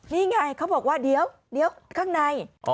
นี่ไงเขาบอกว่าเดี๋ยวข้างใน